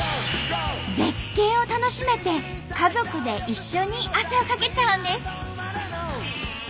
絶景を楽しめて家族で一緒に汗をかけちゃうんです！